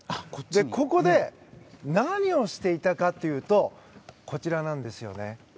ここで、何をしていたかというとこちらなんですよね。